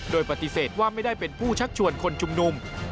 โดยปฏิเสธว่าไม่ได้เป็นผู้ชักชวนคนชุมนุม